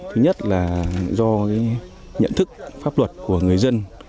thứ nhất là do nhận thức pháp luật của người dân